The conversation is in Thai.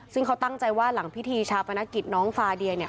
ซึ่งเขาตั้งใจว่าหลังพิธีชาปนกิจน้องฟาเดียเนี่ย